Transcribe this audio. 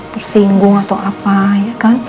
tersinggung atau apa ya kan